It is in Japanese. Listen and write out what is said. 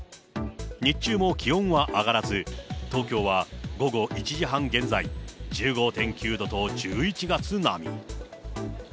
日中も気温は上がらず、東京は午後１時半現在、１５．９度と１１月並み。